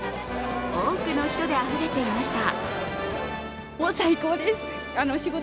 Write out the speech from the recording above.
多くの人であふれていました。